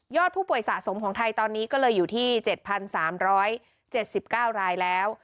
ผู้ป่วยสะสมของไทยตอนนี้ก็เลยอยู่ที่๗๓๗๙รายแล้ว